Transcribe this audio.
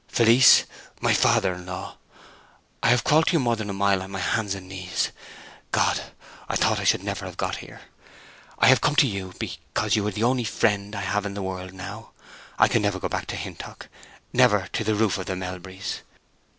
"Felice—my father in law!...I have crawled to you more than a mile on my hands and knees—God, I thought I should never have got here!...I have come to you—be cause you are the only friend—I have in the world now....I can never go back to Hintock—never—to the roof of the Melburys!